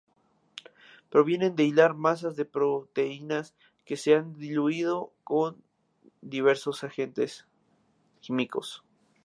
Provienen de hilar masas de proteínas que se han diluido con diversos agentes químicos.